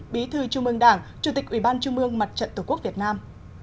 bí thư trung ương đảng chủ tịch ủy ban trung mương mặt trận tổ quốc việt nam